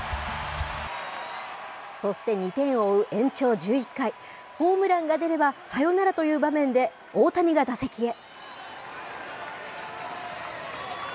そして２点を追う延長１１回、ホームランが出ればサヨナラという場面で、大谷が打席へ。